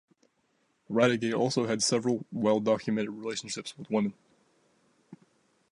Radiguet also had several well-documented relationships with women.